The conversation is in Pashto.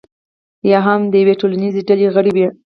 یا هم د یوې ټولنیزې ډلې غړی وي.